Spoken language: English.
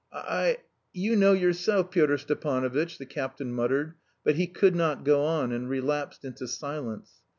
"I... you know yourself, Pyotr Stepanovitch," the captain muttered, but he could not go on and relapsed into silence.